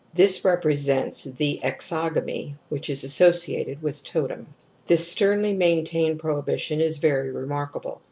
This represents the exogamy which is associated with the totem. This sternly maintained prohibition is very remarkable.